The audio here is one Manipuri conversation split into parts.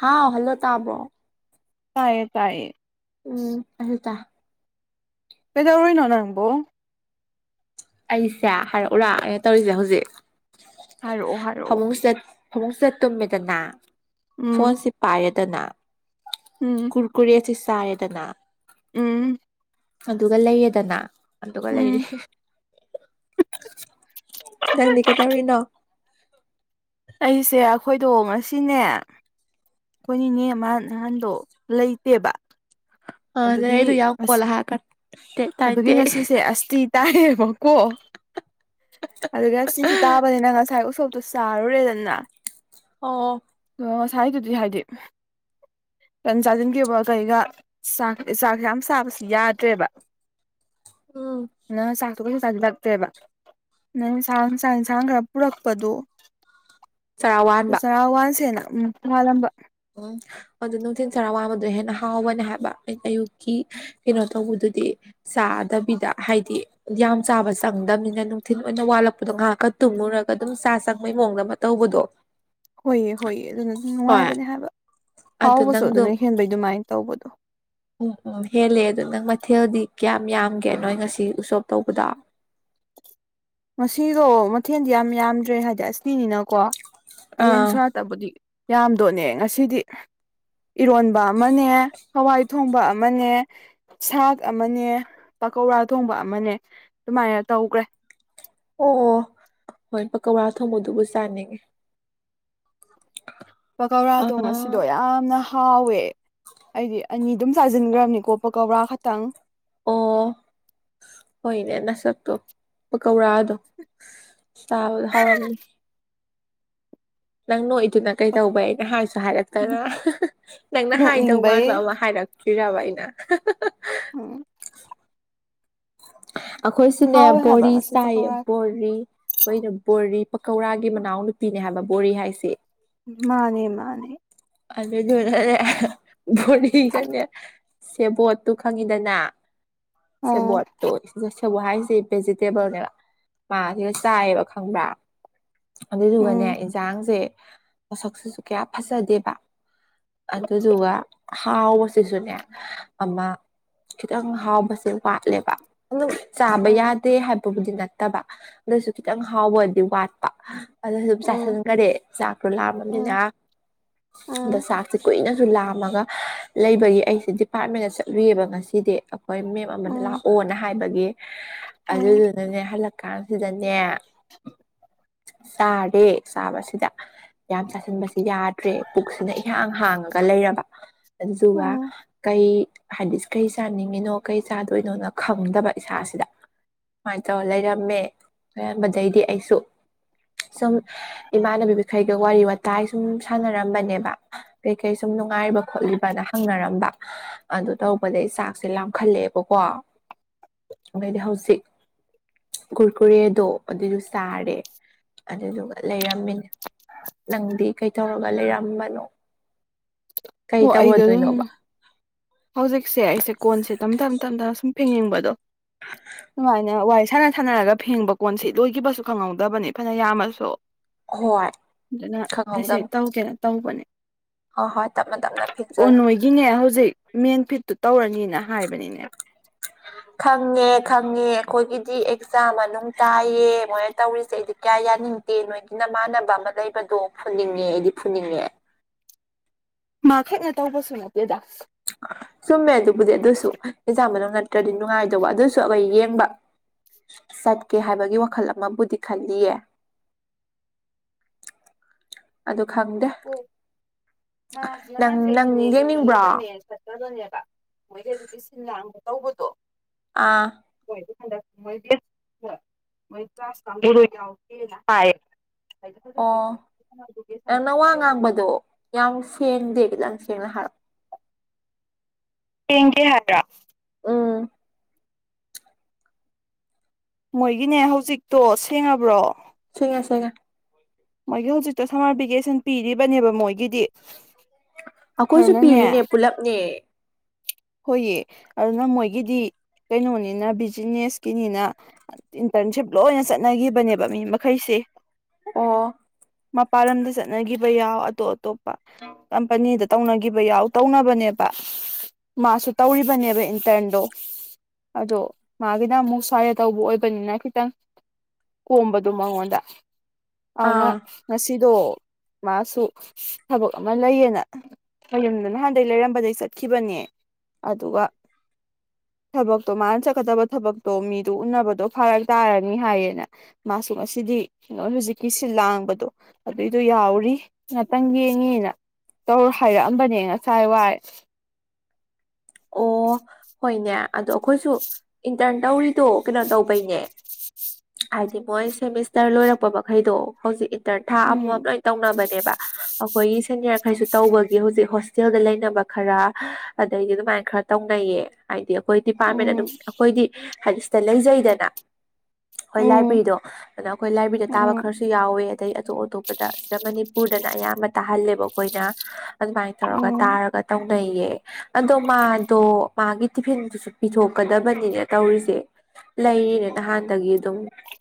ꯍꯥꯥꯎ ꯍꯜꯂꯣ ꯇꯕ꯭ꯔꯣ ꯇꯥꯏꯌꯦ ꯇꯥꯏꯌꯦ ꯎꯝ ꯑꯗꯨꯗ ꯀꯩꯗꯧꯔꯤꯅꯣ ꯅꯪꯕꯣ ꯑꯩꯁꯦ ꯍꯥꯏꯔꯛꯎꯔꯥ ꯑꯩꯅ ꯇꯧꯔꯤꯁꯦ ꯍꯧꯖꯤꯛ ꯍꯥꯏꯔꯛꯑꯣ ꯍꯥꯏꯔꯛꯑꯣ ꯐꯃꯨꯡꯁꯤꯗ ꯐꯃꯨꯡ ꯁꯠ ꯇꯨꯝꯃꯦꯗꯅ ꯎꯝ ꯐꯣꯟꯁꯤ ꯄꯥꯏꯔꯦꯗꯅ ꯎꯝ ꯀꯨꯔꯀꯨꯔꯦꯁꯤ ꯆꯥꯔꯦꯗꯅ ꯎꯝ ꯑꯗꯨꯒ ꯂꯩꯔꯦꯗꯅ ꯑꯗꯨꯒ ꯂꯩꯔꯤ ꯎꯝ ꯅꯪꯗꯤ ꯀꯩꯗꯧꯔꯤꯅꯣ ꯑꯩꯁꯦ ꯑꯩꯈꯣꯏꯗꯣ ꯉꯁꯤꯅꯦ ꯑꯩꯈꯣꯏ ꯅꯤꯅꯦ ꯑꯃꯥ ꯅꯍꯥꯟꯗꯣ ꯂꯩꯇꯦꯕ ꯑꯥ ꯅꯔꯩꯗꯨ ꯑꯗꯨꯒꯤ ꯌꯥꯝ ꯑꯁ ꯀꯣꯜꯂ ꯍꯥꯏꯔꯀꯟ ꯇꯥꯅꯤꯡꯇꯦ ꯑꯗꯨꯒꯤ ꯉꯁꯤꯁꯦ ꯑꯁꯇꯤ ꯇꯥꯏꯌꯦꯕꯀꯣ ꯑꯗꯨ ꯑꯁꯇꯤꯁꯤ ꯇꯥꯕꯅꯤꯅ ꯉꯁꯥꯏ ꯎꯁꯣꯞꯇꯣ ꯆꯥꯔꯨꯔꯦꯗꯅ ꯑꯣ ꯑꯣ ꯉꯁꯥꯏꯗꯨꯗꯤ ꯍꯥꯏꯗꯤ ꯇꯟ ꯆꯥꯁꯤꯟꯈꯤꯕꯒ ꯀꯩꯒ ꯆꯥꯛ ꯆꯥꯛꯁꯦ ꯌꯥꯝ ꯁꯥꯕꯁꯨ ꯌꯥꯗ꯭ꯔꯦꯕ ꯎꯝ ꯅꯪ ꯆꯥꯛ ꯑꯗꯨ ꯀꯩꯁꯨ ꯆꯥꯁꯤꯜꯂꯛꯇ꯭ꯔꯦꯕ ꯅꯪꯟꯁꯥꯡ ꯆꯥꯛ ꯌꯦꯟꯁꯥꯡ ꯈꯔ ꯄꯨꯔꯛꯄꯗꯨ ꯆꯔꯥ ꯗꯨ ꯋꯥꯟꯕ ꯆꯔꯥ ꯋꯥꯟꯁꯦꯅ ꯎꯝ ꯋꯥꯜꯂꯝꯕ ꯎꯝ ꯑꯗꯨ ꯅꯨꯡꯊꯤꯟ ꯆꯔꯥ ꯋꯥꯡꯕꯗꯣ ꯍꯦꯟꯅ ꯍꯥꯎꯕꯅꯦ ꯍꯥꯏꯕ ꯑꯩꯅ ꯑꯌꯨꯛꯀꯤ ꯀꯩꯅꯣ ꯇꯧꯕꯗꯨꯗꯤ ꯆꯥꯗꯕꯤꯗ ꯍꯥꯏꯗꯤ ꯌꯥꯝ ꯆꯥꯕ ꯆꯪꯗꯝꯅꯤꯅ ꯅꯨꯡꯊꯤꯜ ꯑꯣꯏꯅ ꯋꯥꯠꯂꯛꯄꯗꯣ ꯉꯥꯏꯍꯥꯛꯀ ꯇꯨꯝꯃꯨꯔꯒ ꯑꯗꯨꯝ ꯆꯥ ꯆꯪꯕꯩ ꯃꯑꯣꯡꯗ ꯑꯃ ꯇꯧꯕꯗꯣ [inaudible] ꯍꯣꯏꯌꯦ ꯍꯣꯏꯌꯦ ꯑꯗꯨꯅ ꯑꯗꯨꯝ ꯍꯣꯏ ꯅꯨꯡꯉꯥꯏꯕꯅꯦ ꯍꯥꯏꯕ ꯑꯗꯨ ꯍꯥꯎꯕꯁꯨ ꯅꯪꯗꯣ ꯑꯗꯨꯅ ꯍꯦꯟꯕꯩ ꯑꯗꯨꯃꯥꯏꯅ ꯇꯧꯕꯗꯣ ꯎꯝ ꯎꯝ ꯍꯦꯜꯂꯦ ꯑꯗꯣ ꯅꯪ ꯃꯊꯦꯜꯗꯤ ꯀꯌꯥꯝ ꯌꯥꯝꯒꯦ ꯅꯣꯏ ꯉꯁꯤ ꯎꯁꯣꯞ ꯇꯧꯕꯗꯣ ꯉꯁꯤꯗꯣ ꯃꯊꯦꯜꯗꯤ ꯌꯥꯝ ꯌꯥꯝꯗ꯭ꯔꯦ ꯍꯥꯏꯗꯤ ꯑꯁꯤꯅꯤꯅꯀꯣ ꯍꯌꯦꯡ ꯑꯥ ꯁꯣꯔꯥꯠꯇꯕꯨꯗꯤ ꯌꯥꯝꯗꯣꯅꯦ ꯉꯁꯤꯗꯤ ꯏꯔꯣꯟꯕ ꯑꯃꯅꯦ ꯍꯋꯥꯏ ꯊꯣꯡꯕ ꯑꯃꯅꯦ ꯁꯥꯥꯛ ꯑꯃꯅꯦ ꯄꯀꯧꯔꯥ ꯊꯣꯡꯕ ꯑꯃꯅꯦ ꯑꯗꯨꯃꯥꯏꯅ ꯇꯧꯒ꯭ꯔꯦ ꯑꯣ ꯑꯣ ꯍꯣꯏ ꯄꯀꯧꯔꯥ ꯊꯣꯡꯕꯗꯨꯕꯨ ꯆꯥꯅꯤꯡꯉꯤ ꯄꯀꯧꯔꯥꯗꯣ ꯉꯁꯤ ꯑꯥ ꯁꯤꯗꯣ ꯌꯥꯝꯅ ꯍꯥꯎꯋꯦ ꯑꯩꯗꯤ ꯑꯅꯤꯗꯨꯝ ꯆꯥꯁꯤꯟꯈ꯭ꯔꯕꯅꯤꯀꯣ ꯄꯀꯧꯔꯥ ꯈꯛꯇꯪ ꯑꯣ ꯍꯣꯏꯅꯦ ꯅꯁꯛꯇꯣ ꯄꯀꯧꯔꯥꯗꯣ ꯆꯥꯕꯗ ꯍꯥꯎꯔꯝꯅꯤ ꯅꯪ ꯅꯣꯛꯏꯗꯨꯅ ꯀꯩꯗꯧꯕ ꯑꯩꯅ ꯍꯥꯏꯁꯨ ꯍꯥꯏꯔꯛꯇꯅ ꯍꯥ ꯍꯥ ꯅꯪꯅ ꯍꯥꯏꯗꯧ ꯃꯥꯟꯕ ꯅꯣꯛꯅꯤꯡꯕꯩ ꯑꯃ ꯍꯥꯏꯔꯛ ꯇ꯭ꯔꯤꯔꯕ ꯑꯩꯅ ꯍꯥ ꯍꯥ ꯍ ꯎꯝ ꯑꯩꯈꯣꯏꯁꯨꯅꯦ ꯍꯥꯎꯋꯦ ꯍꯥꯏꯕ ꯕꯣꯔꯤ ꯉꯁꯤ ꯆꯥꯏꯌꯦ ꯄꯀꯧꯔꯥ ꯕꯣ ꯕꯣꯔꯤ ꯑꯩꯈꯣꯏꯅ ꯕꯣꯔꯤ ꯄꯀꯧꯔꯥꯒꯤ ꯃꯅꯥꯎ ꯅꯨꯄꯤꯅꯦ ꯍꯥꯏꯕ ꯕꯣꯔꯤ ꯍꯥꯏꯁꯦ ꯃꯥꯅꯦ ꯃꯥꯅꯦ ꯑꯗꯨꯗꯨꯅꯅꯦ ꯕꯣꯔꯤꯗꯅꯦ ꯁꯦꯕꯣꯠꯇꯨ ꯈꯪꯉꯤꯗꯅ ꯑꯣ ꯁꯦꯕꯣꯠꯇꯣ [unintelligible] ꯁꯦꯕꯣꯠ ꯍꯥꯏꯁꯦ ꯚꯦꯖꯤꯇꯦꯕꯜꯅꯦꯕ ꯃꯥꯁꯤꯒ ꯆꯥꯏꯌꯦꯕ ꯈꯪꯕ꯭ꯔꯥ ꯑꯗꯨꯗꯨꯒꯅꯦ ꯎꯝ ꯏꯟꯁꯥꯡꯁꯦ ꯃꯣꯠꯁꯛꯁꯤꯁꯨ ꯀꯌꯥ ꯐꯖꯗꯦꯕ ꯑꯗꯨꯗꯨꯒ ꯍꯥꯎꯕꯁꯤꯁꯨꯅꯦ ꯑꯃ ꯈꯤꯇꯪ ꯍꯥꯎꯕꯁꯦ ꯋꯥꯠꯂꯦꯕ ꯑꯗꯨꯝ ꯆꯥꯕ ꯎꯝ ꯌꯥꯗꯦ ꯍꯥꯏꯕꯕꯨꯗꯤ ꯅꯠꯇꯕ ꯑꯗꯨꯢꯁꯨ ꯈꯤꯇꯪ ꯍꯥꯎꯕꯗꯤ ꯋꯥꯠꯄ ꯑꯗꯨ ꯑꯗꯨꯝ ꯎꯝ ꯆꯥꯁꯤꯟꯈ꯭ꯔꯦ ꯆꯥꯛꯇꯣ ꯎꯝ ꯂꯥꯝꯃꯝꯅꯤꯅ ꯑꯗ ꯎꯝ ꯆꯥꯛꯁꯨ ꯀꯨꯏꯅꯁꯨ ꯂꯥꯝꯃꯒ ꯂꯩꯕꯒꯤ ꯑꯩꯁꯦ ꯗꯤꯄꯥꯔꯠꯃꯦꯟꯗ ꯆꯠꯂꯨꯏꯕ ꯉꯁꯤꯗꯤ ꯍꯣꯏ ꯃꯦꯝ ꯑꯃꯅ ꯎꯝ ꯂꯥꯛꯑꯣꯅ ꯍꯥꯏꯕꯒꯤ ꯎꯝ ꯑꯗꯨꯗꯨꯅꯅꯦ ꯍꯜꯂꯛ ꯀꯥꯟꯁꯤꯗꯅꯦ ꯆꯥꯔꯦ ꯆꯥꯕꯁꯤꯗ ꯌꯥꯝ ꯆꯥꯁꯤꯟꯕꯁꯤ ꯌꯥꯗ꯭ꯔꯦ ꯄꯨꯛꯁꯤꯅ ꯏꯍꯥꯡ ꯍꯥꯡꯉꯒ ꯂꯩꯔꯕ ꯑꯗꯨꯗꯨꯒ ꯎꯝ ꯀꯩ ꯍꯥꯏꯗꯤ ꯀꯩ ꯆꯥꯅꯤꯡꯉꯤꯅꯣ ꯀꯩ ꯆꯥꯗꯣꯏꯅꯣꯅ ꯈꯪꯗꯕ ꯏꯁꯥꯁꯤꯗ ꯁꯨꯃꯥꯏꯅ ꯇꯧꯔ ꯂꯩꯔꯝꯃꯦ ꯂꯩꯔꯝꯕꯗꯩꯗꯤ ꯑꯩꯁꯨ ꯁꯨꯝ ꯏꯃꯥꯟꯅꯕꯤꯈꯩꯒ ꯋꯥꯔꯤ ꯋꯥꯇꯥꯏ ꯁꯨꯝ ꯁꯥꯟꯅꯔꯝ ꯕꯅꯦꯕ ꯀꯩꯀꯩ ꯁꯨꯝ ꯅꯨꯡꯉꯥꯏꯕ ꯈꯣꯠꯂꯤꯕꯅ ꯍꯪꯅꯔꯝꯕ ꯑꯗꯨ ꯇꯧꯔꯛꯕꯗꯩ ꯆꯥꯛꯁꯦ ꯂꯥꯝꯈꯠꯂꯛꯑꯦꯕꯀꯣ ꯑꯩꯗꯤ ꯍꯧꯖꯤꯛ ꯀꯨꯔꯀꯨꯔꯦꯗꯣ ꯑꯗꯨꯢꯗꯨ ꯆꯥꯔꯦ ꯑꯗꯨꯗꯨꯒ ꯂꯩꯔꯝꯃꯤꯅꯦ ꯅꯪꯗꯤ ꯀꯩ ꯇꯧꯔꯒ ꯂꯩꯔꯝꯕꯅꯣ ꯀꯩ ꯍꯣ ꯑꯩꯗꯣ ꯑꯗꯨꯝ ꯇꯧꯒꯗꯣꯏꯅꯣꯕ ꯍꯧꯖꯤꯛꯁꯦ ꯑꯩꯁꯦ ꯀꯣꯟꯁꯦ ꯇꯞ ꯇꯞ ꯇꯞꯅ ꯁꯨꯝ ꯐꯦꯡꯅꯤꯡꯕꯗꯣ ꯁꯨꯃꯥꯏꯅ ꯋꯥꯔꯤ ꯁꯥꯟꯅ ꯁꯥꯟꯅꯔꯒ ꯐꯦꯡꯕ ꯀꯣꯟꯁꯤ ꯂꯣꯏꯈꯤꯕꯁꯨ ꯈꯪꯍꯧꯗꯕꯅꯤ ꯐꯅ ꯌꯥꯝꯃꯁꯨ ꯍꯣꯏ ꯑꯗꯨꯅ ꯃꯁꯤ ꯇꯧꯒꯦꯅ ꯇꯧꯕꯅꯦ ꯑꯥ ꯍꯣꯏ ꯇꯞꯅ ꯇꯞꯅ ꯐꯦꯡꯖꯤꯜꯂꯣ ꯒꯤꯅꯦ ꯍꯧꯖꯤꯛ ꯃꯦꯟ ꯐꯤꯠꯇꯨ ꯇꯧꯔꯅꯤꯅ ꯍꯥꯏꯕꯅꯤꯅꯦ [inaudible] ꯈꯪꯉꯦ ꯈꯪꯉꯦ ꯑꯩꯈꯣꯏꯒꯤꯗꯤ ꯑꯦꯛꯖꯥꯝ ꯃꯅꯨꯡ ꯇꯥꯏꯌꯦ ꯃꯣꯏꯅ ꯇꯧꯔꯤꯁꯦ ꯑꯩꯗꯤ ꯀꯌꯥ ꯌꯥꯅꯤꯡ ꯅꯣꯢꯒꯤ ꯃꯥꯟꯅꯕ ꯑꯃ ꯂꯩꯕꯗꯣ ꯐꯨꯅꯤꯡꯉꯦ ꯑꯩꯗꯤ ꯐꯨꯅꯤꯡꯉꯦ ꯃꯥ ꯈꯥꯛꯅ ꯇꯧꯕꯁꯨ ꯅꯠꯇꯦꯗꯥ ꯆꯨꯝꯃꯦ ꯑꯗꯨꯕꯨꯗꯤ ꯑꯗꯨꯁꯨ ꯑꯦꯛꯖꯥꯛ ꯃꯅꯨꯡ ꯅꯠꯇ꯭ꯔꯗꯤ ꯅꯨꯡꯉꯥꯏꯗꯧꯕ ꯑꯗꯨꯁꯨ ꯑꯩꯈꯣꯏ ꯌꯦꯡꯕ ꯆꯠꯀꯦ ꯍꯥꯏꯕꯒꯤ ꯋꯥꯈꯜ ꯑꯃꯕꯨꯗꯤ ꯈꯜꯂꯤꯌꯦ ꯑꯗꯨ ꯈꯪꯗꯦ ꯃꯥꯁꯨ ꯅꯍꯥꯟ ꯅꯪ ꯅꯪ ꯒꯩꯗꯤꯅꯦ ꯌꯨꯝꯗ ꯌꯦꯡꯅꯤꯡꯕ꯭ꯔꯣ ꯂꯩꯕꯅꯦ ꯆꯠ ꯗꯅꯦꯕ ꯃꯣꯏꯗꯤ ꯑꯗꯨꯒꯤ ꯁꯤꯟ ꯂꯥꯡꯕ ꯇꯧꯕꯗꯣ ꯑꯥ ꯃꯣꯏ [unintelligible] ꯊꯗ ꯃꯣꯏꯗꯤ [unintelligible] ꯃꯣꯏ ꯀ꯭ꯂꯥꯁ ꯀꯪꯕꯨꯗꯣ ꯌꯥꯎꯗꯦꯅ ꯍꯥꯢ ꯑꯣ ꯅꯪꯅ ꯋꯥ ꯉꯥꯡꯕꯗꯣ ꯌꯥꯝ ꯁꯦꯡꯗꯦ ꯈꯤꯇꯪ ꯁꯦꯡꯅ ꯍꯥꯏꯔꯛꯑꯣ ꯁꯦꯡꯗꯦ ꯍꯥꯏꯕ꯭ꯔꯥ ꯎꯝ ꯃꯣꯏꯒꯤꯅꯦ ꯍꯧꯖꯤꯛꯇꯣ ꯁꯦꯡꯉꯕ꯭ꯔꯣ ꯁꯦꯡꯉꯦ ꯁꯦꯡꯉꯦ ꯃꯣꯏꯒꯤ ꯍꯧꯖꯤꯛꯇꯣ ꯁꯝꯃꯔ ꯚꯦꯀꯦꯁꯟ ꯄꯤꯔꯤꯕꯅꯦꯕ ꯃꯣꯏꯒꯤꯗꯤ ꯑꯩꯈꯣꯏꯁꯨ ꯑꯗꯨꯅꯅꯦ ꯄꯤꯔꯤꯅꯦ ꯄꯨꯂꯞꯅꯦ ꯍꯣꯏꯌꯦ ꯑꯗꯨꯅ ꯃꯣꯏꯒꯤꯗꯤ ꯀꯩꯅꯣꯅꯤꯅ ꯕꯤꯖꯤꯅꯦꯁꯀꯤꯅꯤꯅ ꯏꯟꯇꯔꯟꯁꯤꯞ ꯂꯣꯏꯅ ꯆꯠꯅꯈꯤꯕꯅꯦꯕ ꯃꯤ ꯃꯈꯩꯁꯦ ꯑꯣ ꯃꯄꯥꯟ ꯂꯝꯗ ꯆꯠꯅꯈꯤꯕ ꯌꯥꯎ ꯑꯇꯣꯞ ꯑꯇꯣꯞꯄ ꯀꯝꯄꯅꯤꯗ ꯇꯧꯅꯈꯤꯕ ꯌꯥꯎ ꯇꯧꯅꯕꯅꯦꯕ ꯃꯥꯁꯨ ꯇꯧꯔꯤꯕꯅꯦꯕ ꯏꯟꯇꯔꯟꯗꯣ ꯑꯗꯣ ꯃꯥꯒꯤꯅ ꯑꯃꯨꯛ ꯁ꯭ꯋꯥꯏꯗ ꯇꯧꯕ ꯑꯣꯏꯕꯅꯤꯅ ꯈꯤꯇꯪ ꯀꯣꯝꯕꯗꯨ ꯃꯉꯣꯟꯗ ꯑꯗꯨꯅ ꯑꯥ ꯉꯁꯤꯗꯣ ꯃꯥꯁꯨ ꯊꯕꯛ ꯑꯃ ꯂꯩꯌꯦꯅ ꯃꯌꯨꯝꯗ ꯅꯍꯥꯟꯗꯩ ꯂꯩꯔꯝꯕꯗꯩ ꯆꯠꯈꯤꯕꯅꯦ ꯑꯗꯨꯒ ꯊꯕꯛꯇꯣ ꯃꯥꯅ ꯆꯠꯀꯗꯕ ꯊꯕꯛꯇꯣ ꯃꯤꯗꯣ ꯎꯅꯕꯗꯣ ꯐꯔꯛ ꯇꯥꯔꯅꯤ ꯍꯥꯏꯌꯦꯅ ꯃꯥꯁꯨ ꯉꯁꯤꯗꯤ ꯂ‌ꯣꯏꯅ ꯍꯧꯖꯤꯛꯀꯤ ꯁꯤꯜ ꯂꯥꯡꯕꯗꯣ ꯑꯗꯨꯏꯗꯣ ꯌꯥꯎꯔꯤ ꯉꯥꯛꯇꯪ ꯌꯦꯡꯉꯦꯅ ꯇꯧꯔ ꯍꯥꯏꯔꯛꯑꯝꯕꯅꯦ ꯉꯁꯥꯏ ꯋꯥꯏ ꯑꯣ ꯍꯣꯏꯅꯦ ꯑꯗꯣ ꯑꯩꯈꯣꯏꯁꯨ ꯏꯟꯇꯔꯟ ꯇꯧꯔꯤꯗꯣ ꯀꯩꯅꯣ ꯇꯧꯕꯩꯅꯦ ꯍꯥꯏꯗꯤ ꯃꯣꯏ ꯁꯦꯃꯤꯁꯇꯔ ꯂꯣꯏꯔꯛꯄ ꯃꯈꯩꯗꯣ ꯍꯧꯖꯤꯛ ꯏꯟꯇꯔꯟ ꯊꯥ ꯑꯃꯝ-ꯃꯝ ꯎꯝ ꯂ‌ꯣꯏ ꯇꯧꯅꯕꯅꯦꯕ ꯑꯩꯈꯣꯏꯒꯤ ꯁꯦꯅꯤꯌꯥꯔ ꯈꯩꯁꯨ ꯇꯧꯕꯒꯤ ꯍꯧꯖꯤꯛ ꯍꯣꯁꯇꯦꯜꯗ ꯂꯩꯅꯕ ꯈꯔ ꯑꯗꯩꯗꯤ ꯑꯗꯨꯃꯥꯏ ꯈꯔ ꯇꯧꯅꯩꯌꯦ ꯍꯥꯏꯗꯤ ꯑꯩꯈꯣꯏ ꯗꯤꯄꯥꯔꯠꯃꯦꯟ ꯎꯝ ꯑꯗꯨꯝ ꯑꯩꯈꯣꯏꯗꯤ ꯍꯥꯏꯗꯤ ꯁꯤꯗ ꯂꯩꯖꯩꯗꯅ ꯍꯣꯏ ꯎꯝ ꯂꯥꯏꯕ꯭ꯔꯦꯔꯤꯗꯣ ꯑꯗꯣ ꯑꯩꯈꯣꯏ ꯂꯥꯏꯕ꯭ꯔꯦꯔꯤꯗ ꯇꯥꯕ ꯎꯝ ꯈꯔꯁꯨ ꯌꯥꯎꯋꯦ ꯑꯗꯩ ꯑꯇꯣꯞ-ꯑꯇꯣꯞꯄꯗ ꯁꯤꯗ ꯃꯅꯤꯄꯨꯔꯗꯅ ꯑꯌꯥꯝꯕ ꯇꯥꯍꯜꯂꯦꯕ ꯑꯩꯈꯣꯏꯅ ꯑꯗꯨꯃꯥꯏꯅ ꯇꯧꯔꯒ ꯎꯝ ꯇꯥꯔꯒ ꯇꯧꯅꯩꯌꯦ ꯑꯗꯣ ꯃꯥꯗꯣ ꯃꯥꯒꯤ ꯇꯤꯐꯤꯟꯗꯨꯁꯨ ꯄꯤꯊꯣꯛꯀꯗꯕꯅꯤꯅꯦ ꯇꯧꯔꯤꯁꯦ ꯂꯩꯔꯤꯅꯦ ꯅꯍꯥꯟꯗꯒꯤ ꯑꯗꯨꯝ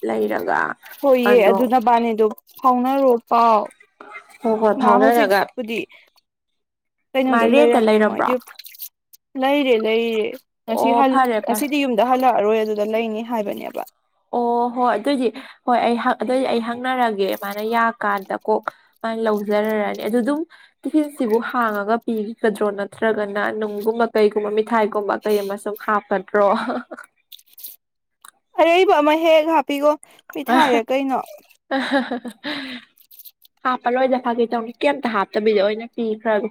ꯂꯩꯔꯒ ꯍꯣꯏꯌꯦ ꯑꯗꯣ ꯑꯗꯨ ꯅꯕꯥꯅꯤꯗꯨ ꯐꯥꯎꯅꯔꯣ ꯄꯥꯎ ꯍꯣꯏ ꯍꯣꯏ ꯃꯥ ꯐꯥꯎꯅꯔꯒ ꯍꯨꯖꯤꯛꯁꯄꯨꯗꯤ ꯃꯥ ꯀꯩꯅꯣꯗ ꯔꯦꯟꯇ ꯂꯩꯔꯝꯅꯤ ꯂꯩꯔꯕ꯭ꯔꯣ ꯃꯣꯏꯗꯤ ꯂꯩꯔꯦ-ꯂꯩꯔꯦ ꯉꯁꯤ ꯑꯣ ꯍꯜ ꯐꯔꯦ ꯐꯔꯦ ꯉꯁꯤꯗꯤ ꯌꯨꯝꯗ ꯍꯜꯂꯛꯑꯔꯣꯏ ꯑꯗꯨꯗ ꯂꯩꯅꯤ ꯍꯥꯏꯕꯅꯦꯕ ꯑꯣ ꯍꯣꯏ ꯑꯗꯨꯏꯗꯤ ꯍꯣꯏ ꯑꯩ ꯍꯛ ꯑꯗꯨꯏꯗꯤ ꯑꯩ ꯍꯪꯅꯔꯒꯦ ꯃꯥꯅ ꯌꯥꯀꯥꯟꯗ ꯀꯣ ꯃꯥ ꯂꯧꯖꯔꯔꯅꯤ ꯑꯗꯨ ꯑꯗꯨꯝ ꯇꯤꯐꯤꯟꯁꯤꯕꯨ ꯍꯥꯡꯉꯒ ꯄꯤꯈꯤꯒꯗ꯭ꯔꯣ ꯅꯠꯇ꯭ꯔꯒꯅ ꯅꯨꯡꯒꯨꯝꯕ ꯀꯩꯒꯨꯝꯕ ꯃꯤꯊꯥꯏꯒꯨꯝꯕ ꯀꯩ ꯑꯃ ꯁꯨꯝ ꯍꯥꯞꯀꯗ꯭ꯔꯣ ꯑꯔꯩꯕ ꯑꯃ ꯍꯦꯛ ꯍꯥꯞꯄꯤꯈꯣ ꯄꯤꯊꯥꯏꯔ ꯀꯩꯅꯣ [unintelligible] ꯍꯥꯞꯄꯂꯣꯏꯗ ꯐꯥꯒꯤ ꯇꯧꯅꯤ ꯀꯩꯝꯇ ꯍꯥꯞꯇꯕꯤꯗꯣ ꯑꯣꯏꯅ ꯄꯤꯈ꯭ꯔꯒ‌ꯦ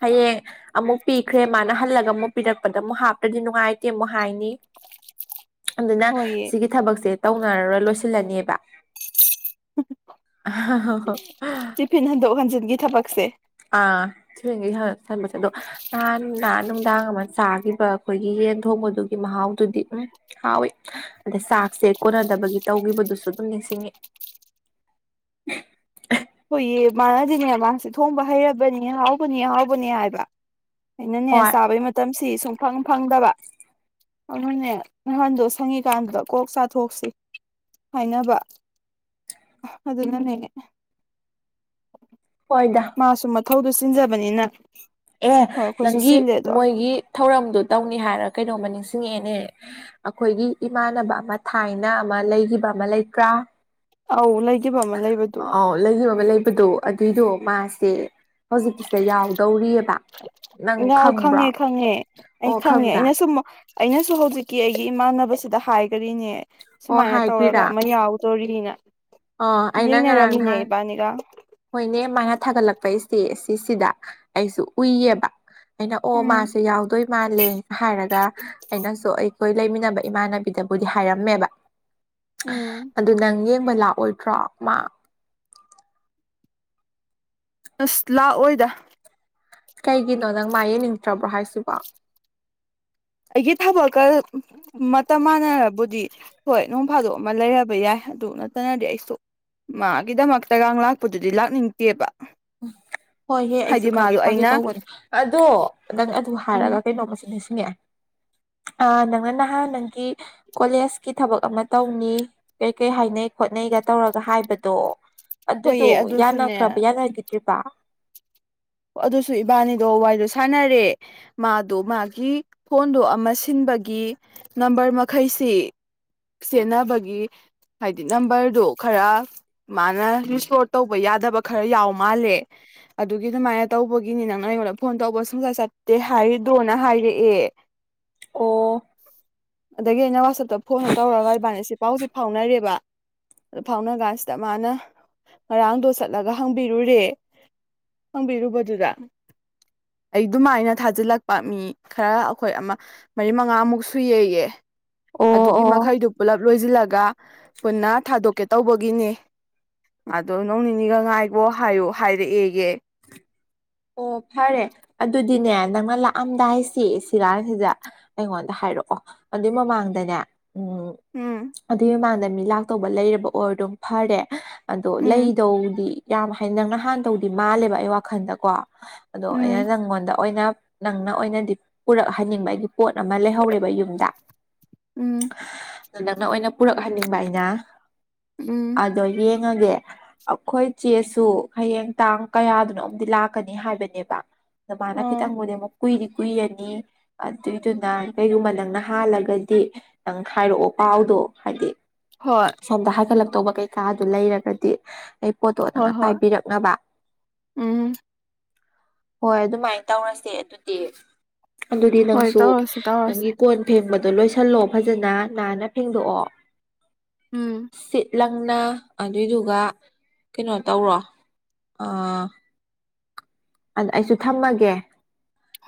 ꯍꯌꯦꯡ ꯑꯃꯨꯛ ꯄꯤꯈ꯭ꯔꯦ ꯃꯥꯅ ꯍꯜꯂꯒ ꯑꯃꯨꯛ ꯄꯤꯔꯛꯄꯗ ꯑꯃꯨꯛ ꯍꯥꯞꯄꯗꯤ ꯅꯨꯡꯉꯥꯏꯇꯦ ꯑꯃꯨꯛ ꯍꯥꯏꯅꯤ [unintelligible] ꯑꯗꯨꯅ ꯍꯣꯏꯌꯦ ꯁꯤꯒꯤ ꯊꯕꯛꯁꯦ ꯇꯧꯅꯔꯔꯣꯏ ꯂꯣꯏꯁꯤꯜꯂꯅꯦꯕ [unintelligible] ꯇꯤꯐꯤꯟ ꯍꯟꯗꯣꯛ ꯍꯟꯖꯤꯟꯒꯤ ꯊꯕꯛꯁꯦ ꯑ ꯊꯤꯔꯦꯡꯒꯩ ꯍꯟ-ꯍꯟꯕꯁ‌ꯦ ꯑꯗꯣ ꯅꯍꯥꯟꯅ ꯅꯨꯃꯤꯗꯥꯡ ꯑꯃ ꯆꯥꯈꯤꯕ ꯑꯩꯈꯣꯏꯒꯤ ꯌꯦꯟ ꯊꯣꯡꯕꯗꯨꯒꯤ ꯃꯍꯥꯎꯗꯨꯗꯤ ꯎꯝ ꯍꯥꯎꯋꯤ ꯑꯗꯩ ꯆꯥꯛꯁꯦ ꯀꯣꯟꯅꯗꯕꯒꯤ ꯇꯧꯈꯤꯕꯗꯨꯁꯨ ꯑꯗꯨꯝ ꯅꯤꯡꯁꯤꯡꯉꯤ ꯍꯣꯏꯌꯦ ꯃꯥꯅꯗꯤꯅꯦ ꯃꯥꯁꯦ ꯊꯣꯡꯕ ꯍꯩꯔꯕꯅꯤ ꯍꯥꯎꯕꯅꯤ-ꯍꯥꯎꯕꯅꯦ ꯍꯥꯏꯕ ꯑꯩꯅꯅꯦ ꯍꯣꯏ ꯆꯥꯕꯩ ꯃꯇꯝꯁꯤ ꯁꯨꯡꯐꯪ ꯐꯪꯗꯕ ꯑꯗꯨꯅꯦ ꯅꯍꯥꯟꯗꯣ ꯁꯪꯉꯤꯀꯥꯟꯗꯨꯗ ꯀꯣꯛ ꯆꯥꯊꯣꯛꯁꯤ ꯍꯥꯏꯅꯕ ꯑꯗꯨꯅꯅꯦ ꯍꯣꯏꯗ ꯃꯥꯁꯨ ꯃꯊꯧꯗꯨ ꯆꯤꯟꯖꯕꯅꯤꯅ ꯑꯦ ꯍꯣꯏ ꯑꯩꯈꯣꯏꯁꯨ ꯅꯪꯒꯤ ꯆꯤꯜꯂꯦ ꯑꯗꯣ ꯃꯣꯏꯒꯤ ꯊꯧꯔꯝꯗꯨ ꯇꯧꯅꯤ ꯍꯥꯏꯔ ꯀꯩꯅꯣꯝꯃ ꯅꯤꯡꯁꯤꯡꯉꯛꯑꯦꯅꯦ ꯑꯈꯣꯏꯒꯤ ꯏꯃꯥꯟꯅꯕ ꯑꯃ ꯊꯥꯏꯅ ꯑꯃ ꯂꯩꯈꯤꯕ ꯑꯃ ꯂꯩꯇ꯭ꯔꯥ ꯑꯧ ꯂꯩꯈꯤꯕ ꯑꯃ ꯂꯩꯕꯗꯨ ꯂꯩꯒꯤꯕ ꯑꯃ ꯂꯩꯕꯗꯣ ꯑꯗꯨꯏꯗꯣ ꯃꯥꯁꯦ ꯍꯧꯖꯤꯛꯀꯤꯁꯤꯗ ꯌꯥꯎꯗꯧꯔꯤ ꯏꯅꯥꯎ ꯈꯪꯉꯦ ꯈꯪꯉꯦ ꯑꯩ ꯑꯣ ꯈꯪꯉꯦ ꯈꯪꯕ꯭ꯔꯥ ꯑꯩꯅ ꯁꯨꯝ ꯑꯩꯅꯁꯨ ꯍꯧꯖꯤꯛꯀꯤ ꯑꯩꯒꯤ ꯏꯃꯥꯟꯅꯕꯁꯤꯗ ꯍꯥꯏꯒꯔꯤꯅꯦ ꯑꯣ ꯁꯨꯃꯥꯏꯅ ꯇꯧꯔꯒ ꯍꯥꯏꯈ꯭ꯔꯤꯔꯥ ꯑꯃ ꯌꯥꯎ ꯗꯣꯔꯤꯅ ꯑ ꯑꯩꯅ ꯉꯔꯥꯡ ꯌꯦꯡꯅꯔꯝꯃꯤꯅꯦ ꯅꯍꯥꯟ ꯏꯕꯥꯅꯤꯒ ꯍꯣꯏꯅꯦ ꯃꯥꯅ ꯊꯥꯒꯠꯂꯛꯄ ꯏꯁꯇꯦ ꯁꯤꯁꯤꯗ ꯑꯩꯁꯨ ꯎꯏꯌꯦꯕ ꯑꯩꯅ ꯑꯣ ꯎꯝ ꯃꯥꯁꯦ ꯌꯥꯎꯗꯣꯏ ꯃꯥꯜꯂꯦ ꯍꯥꯏꯔꯒ ꯑꯩꯅꯁꯨ ꯑꯩꯈꯣꯏ ꯂꯩꯃꯤꯟꯅꯕ ꯏꯃꯥꯟꯅꯕꯤꯗꯕꯨꯗꯤ ꯍꯥꯏꯔꯝꯃꯦꯕ ꯑꯗꯨ ꯅꯪ ꯌꯦꯡꯕ ꯂꯥꯛꯑꯣꯏꯗ꯭ꯔꯣ ꯃꯥ ꯑꯁ ꯂꯥꯛꯑꯣꯏꯗ ꯀꯩꯒꯤꯅꯣ ꯅꯪ ꯃꯥ ꯌꯦꯡꯅꯤꯡꯗ꯭ꯔꯕ꯭ꯔꯣ ꯍꯥꯏꯁꯤꯕꯣ ꯑꯩꯒꯤ ꯊꯕꯛꯀ ꯃꯇꯝ ꯃꯥꯟꯅꯔꯕꯨꯗꯤ ꯍꯣꯏ ꯅꯣꯡ ꯐꯥꯗꯣꯛ ꯑꯃ ꯂꯩꯔꯕ ꯌꯥꯏ ꯑꯗꯨ ꯅꯠꯇꯅꯗꯤ ꯑꯩꯁꯨ ꯃꯥꯒꯤꯗꯃꯛꯇꯒ ꯂꯥꯛꯄꯗꯨꯗꯤ ꯂꯥꯛꯅꯤꯡꯗꯦꯕ ꯎ ꯍꯣꯏꯍꯦ ꯑꯩꯁꯨ ꯍꯥꯏꯗꯤ ꯈꯪꯉꯦ ꯃꯥꯗꯣ ꯐꯥꯒꯦ ꯑꯩꯅ ꯇꯧꯕꯅꯤ ꯑꯗꯣ ꯅꯪ ꯑꯗꯨ ꯎꯝ ꯍꯥꯏꯔꯒ ꯀꯩꯅꯣꯝꯃꯁꯨ ꯅꯤꯡꯁꯤꯡꯉꯛꯑꯦ ꯑ ꯅꯪꯅ ꯅꯍꯥꯟ ꯅꯪꯒꯤ ꯀꯣꯂꯦꯖꯀꯤ ꯊꯕꯛ ꯑꯃ ꯇꯧꯅꯤ ꯀꯩ ꯀꯩ ꯍꯥꯏꯅꯩ ꯈꯣꯠꯅꯩꯒ ꯇꯧꯔꯒ ꯍꯥꯏꯕꯗꯣ ꯑꯗꯨꯗꯣ ꯍꯣꯏꯌꯦ ꯑꯗꯨꯁꯨꯅꯦ ꯌꯥꯅꯈ꯭ꯔꯕ ꯌꯥꯅꯈꯤꯗ꯭ꯔꯤꯕ ꯑꯗꯨꯁꯨ ꯏꯕꯥꯅꯤꯗꯣ ꯋꯥꯔꯤꯗꯣ ꯁꯥꯟꯅꯔꯦ ꯃꯥꯗꯣ ꯃꯥꯒꯤ ꯐꯣꯟꯗꯣ ꯑꯃ ꯁꯤꯟꯕꯒꯤ ꯅꯝꯕꯔ ꯃꯈꯩꯁꯤ ꯁꯦꯟꯅꯅꯕꯒꯤ ꯍꯥꯏꯗꯤ ꯅꯝꯕꯔꯗꯣ ꯈꯔ ꯃꯥꯅ ꯔꯤꯁꯇꯔꯣ ꯇꯧꯕ ꯌꯥꯗꯕ ꯈꯔ ꯌꯥꯎ ꯃꯥꯜꯂꯦ ꯑꯗꯨꯒꯤ ꯑꯗꯨꯃꯥꯏꯅ ꯇꯧꯕꯒꯤꯅꯤ ꯅꯪꯅ ꯑꯩꯉꯣꯟꯗ ꯐꯣꯟ ꯇꯧꯕ ꯁꯨꯡꯁꯠ ꯆꯠꯇꯦ ꯍꯥꯏꯗꯣꯅ ꯍꯥꯏꯔꯛꯑꯦ ꯑꯣ ꯑꯗꯒꯤ ꯑꯩꯅ ꯋꯥꯆꯞꯇ ꯐꯣꯟꯗꯣ ꯇꯧꯔꯒ ꯏꯕꯥꯅꯤꯁꯤ ꯄꯥꯎꯁꯦ ꯐꯥꯎꯅꯔꯦꯕ ꯑꯗꯨ ꯐꯥꯎꯅ ꯀꯥꯟꯁꯤꯗ ꯃꯥꯅ ꯉꯔꯥꯡꯗꯣ ꯆꯠꯂꯒ ꯍꯪꯕꯤꯔꯨꯔꯦ ꯍꯪꯕꯤꯔꯨꯕꯗꯨꯗ ꯑꯩ ꯑꯗꯨꯃꯥꯏꯅ ꯊꯥꯖꯤꯜꯂꯛꯄ ꯃꯤ ꯈꯔ ꯑꯩꯈꯣꯏ ꯑꯃ ꯃꯔꯤ ꯃꯉꯥꯃꯨꯛ ꯁꯨꯏꯑꯌꯦ ꯑꯣ ꯑꯗꯨꯒꯤ ꯑꯣ ꯃꯈꯩꯗꯨ ꯄꯨꯂꯞ ꯂꯣꯏꯁꯤꯜꯂꯒ ꯄꯨꯟꯅ ꯊꯥꯗꯣꯛꯀꯦ ꯇꯧꯕꯒꯤꯅꯦ ꯑꯗꯣ ꯅꯣꯡ ꯅꯤꯅꯤꯒ ꯉꯥꯏꯒꯣ ꯍꯥꯏꯌꯣ ꯍꯥꯏꯔꯛꯑꯦꯌꯦ ꯑꯣ ꯐꯔꯦ ꯑꯗꯨꯗꯤꯅꯦ ꯅꯪꯅ ꯂꯥꯛꯑꯝꯗꯥꯏꯁꯤ ꯁꯤꯔꯥꯡꯁꯤꯗ ꯑꯩꯉꯣꯟꯗ ꯍꯥꯏꯔꯛꯑꯣ ꯑꯗꯨꯏ ꯃꯃꯥꯡꯗꯅꯦ ꯎꯝ ꯎꯝ ꯑꯗꯨꯏ ꯃꯃꯥꯡꯗ ꯃꯤ ꯂꯥꯛꯇꯧꯕ ꯂꯩꯔꯕ ꯑꯣꯏꯔꯗꯨꯝ ꯐꯔꯦ ꯑꯗꯣ ꯎꯝ ꯂꯩꯗꯧꯗꯤ ꯌꯥꯝ ꯍꯥꯏ ꯅꯪꯅ ꯍꯥꯟꯗꯧꯗꯤ ꯃꯥꯜꯂꯦꯕ ꯑꯩ ꯋꯥꯈꯜꯗꯀꯣ ꯑꯗꯣ ꯑꯩꯅ ꯎꯝ ꯅꯪꯉꯣꯟꯗ ꯑꯣꯏꯅ ꯅꯪꯅ ꯑꯣꯏꯅꯗꯤ ꯄꯨꯔꯛꯍꯟꯅꯤꯡꯕ ꯄꯣꯠ ꯑꯃ ꯂꯩꯍꯧꯔꯦꯕ ꯌꯨꯝꯗ ꯎꯝ ꯅꯪꯅ ꯑꯣꯏꯅ ꯄꯨꯔꯛꯍꯟꯅꯤꯡꯕ ꯑꯩꯅ ꯎꯝ ꯑꯗꯣ ꯌꯦꯡꯉꯒꯦ ꯑꯩꯈꯣꯏ ꯆꯦꯁꯨ ꯍꯌꯦꯡ ꯇꯥꯡ ꯀꯌꯥꯗꯅꯣ ꯑꯃꯗꯤ ꯂꯥꯛ ꯂꯥꯛꯀꯅꯤ ꯍꯥꯏꯕꯅꯦꯕ ꯑꯗ ꯃꯥꯅ ꯑꯣ ꯈꯤꯇꯪꯕꯨꯗꯤ ꯑꯃꯨꯛ ꯀꯨꯏꯗꯤ ꯀꯨꯏꯔꯅꯤ ꯑꯗꯨꯏꯗꯨꯅ ꯀꯩꯒꯨꯝꯕ ꯅꯪꯅ ꯍꯥꯜꯂꯒꯗꯤ ꯅꯪ ꯈꯥꯏꯔꯛꯑꯣ ꯄꯥꯎꯗꯣ ꯍꯥꯏꯗꯤ ꯍꯣꯏ ꯁꯣꯝꯗ ꯍꯥꯏꯒꯠꯂꯛꯇꯧꯕ ꯀꯩꯀꯥꯗꯨ ꯂꯩꯔꯒꯗꯤ ꯑꯩ ꯄꯣꯠꯇꯣ ꯍꯣꯏ ꯅꯪꯅ ꯍꯣꯏ ꯄꯥꯏꯕꯤꯔꯛꯅꯕ ꯎꯝ ꯍꯣꯏ ꯑꯗꯨꯃꯥꯏꯅ ꯇꯧꯔꯁꯦ ꯑꯗꯨꯗꯤ ꯑꯗꯨꯗꯤ ꯍꯣꯏ ꯅꯪꯁꯨ ꯇꯧꯔꯁꯦ ꯇꯧꯔꯁꯦ ꯅꯪꯒꯤ ꯀꯣꯟ ꯐꯦꯡꯕꯗꯣ ꯂꯣꯏꯁꯜꯂꯣ ꯐꯖꯅ ꯅꯥꯟꯅ ꯐꯦꯡꯗꯣꯛꯑꯣ ꯎꯝ ꯁꯤꯠ ꯂꯪꯅ ꯑꯗꯨꯏꯗꯨꯒ ꯀꯩꯅꯣ ꯇꯧꯔꯣ ꯑꯗ ꯑꯩꯁꯨ ꯊꯝꯃꯒꯦ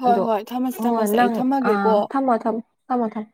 ꯍꯣꯏ ꯑꯗꯣ ꯍꯣꯏ ꯊꯝꯃꯁꯤ ꯍꯣꯏ ꯊꯝꯃꯁꯤ ꯑꯩ ꯅꯪ ꯑ ꯊꯝꯃꯒꯦꯀꯣ ꯊꯝꯃꯣ ꯊꯝꯃꯣ ꯊꯝꯃꯣ ꯊꯝꯃꯣ